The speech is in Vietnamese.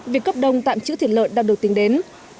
việc cấp đông tạm chữ thịt lợn đang được tính đến